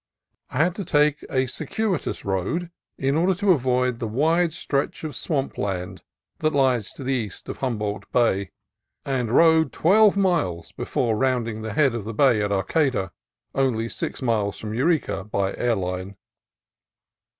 I had to take a circuitous road, in order to avoid the wide stretch of swamp land that lies to the east of Humboldt Bay, and rode twelve miles before round ing the head of the bay at Areata, only six miles from Eureka by air line.